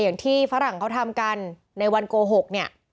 อย่างที่ฝรั่งเขาทำกันในวันโกหกเนี่ย